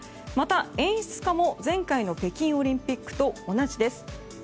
また、演出家も前回の北京オリンピックと同じです。